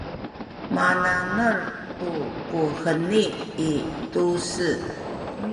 mana’nel tu ku heni i tu-se